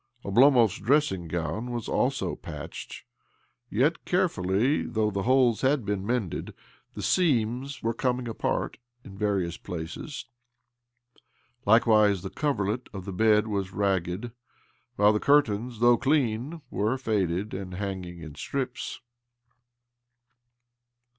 Oblomov's dressing gown also was patched : yet, carefully though the holes had been mended, the seams were coming apart in various places. Likewise the cover let of the bed was ragged, while the curtains, though clean, were faded and hanging in strips.